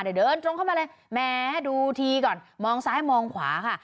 เดี๋ยวเดินตรงเข้ามาเลยแม้ดูทีก่อนมองซ้ายมองขวาค่ะ